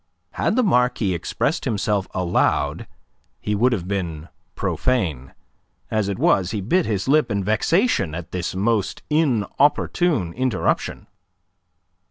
Had the Marquis expressed himself aloud he would have been profane. As it was he bit his lip in vexation at this most inopportune interruption.